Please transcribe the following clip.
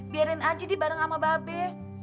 biarin aja di bareng ama babe